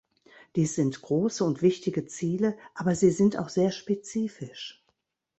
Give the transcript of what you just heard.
Dies sind große und wichtige Ziele, aber sie sind auch sehr spezifisch.